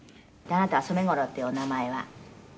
「あなたは“染五郎”っていうお名前は好き？」